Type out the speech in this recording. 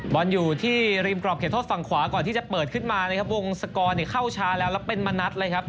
บอลอยู่ที่ริมกรอบเขตโทษฝั่งขวาก่อนที่จะเปิดขึ้นมานะครับวงศกรเข้าชาแล้วแล้วเป็นมณัฐเลยครับ